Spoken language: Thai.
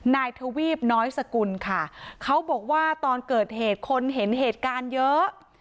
นายทวีบน้อยสกุลค่ะเขาบอกว่าตอนเกิดเหตุคนเห็นเหตุการณ์เยอะ